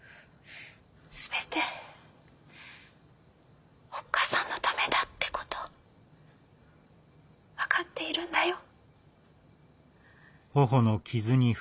全ておっ母さんのためだって事分かっているんだよ。